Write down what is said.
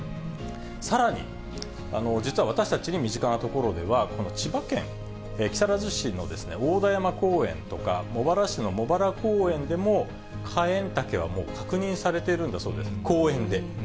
さらに、実は私たちに身近な所では、この千葉県木更津市の太田山公園とか、茂原市の茂原公園でも、カエンタケは、もう確認されているんだそうです、公園で。